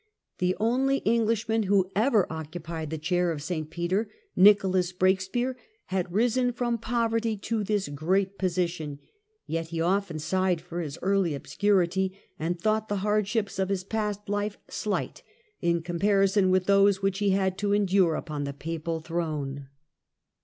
The only Englishman who ever occupied the chair of St Peter, Nicholas Breakspear had risen from poverty to his great position, yet he often sighed for his early obscurity and thought the hardships of his past life slight in comparison with those which he had to endure upon the papal throne.